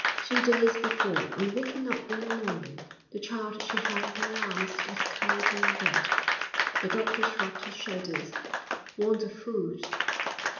Two days before, on waking up in the morning, the child she held in her arms was cold and dead. The doctor shrugged his shoulders. Want of food!